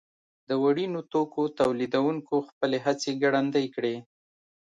د وړینو توکو تولیدوونکو خپلې هڅې ګړندۍ کړې.